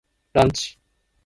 ランチ